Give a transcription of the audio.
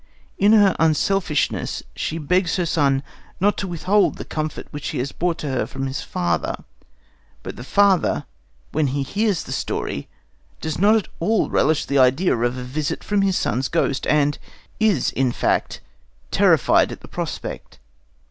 In her unselfishness, she begs her son not to withhold the comfort which he has brought to her from his father. But the father, when he hears the story, does not at all relish the idea of a visit from his son's ghost, and is, in fact, terrified at the prospect.